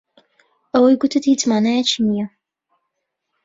ئەوەی گوتت هیچ مانایەکی نییە.